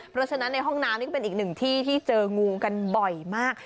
เพราะฉะนั้นในห้องน้ำนี่ก็เป็นอีกหนึ่งที่ที่เจองูกันบ่อยมาก